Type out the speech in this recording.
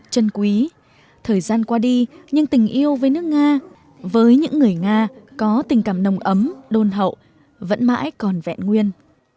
chân quý thời gian qua đi nhưng tình yêu với nước nga với những người nga có tình cảm nồng ấm đôn hậu vẫn mãi còn vẹn nguyên